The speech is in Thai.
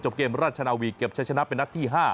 เกมราชนาวีเก็บใช้ชนะเป็นนัดที่๕